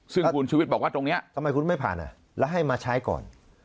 ซึ่งคุณชุวิตบอกว่าตรงนี้ทำไมคุณไม่ผ่านแล้วให้มาใช้ก่อน